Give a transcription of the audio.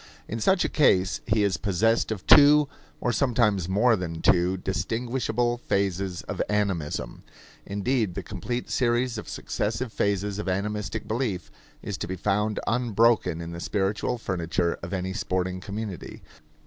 In such a case he is possessed of two, or sometimes more than two, distinguishable phases of animism. Indeed, the complete series of successive phases of animistic belief is to be found unbroken in the spiritual furniture of any sporting community.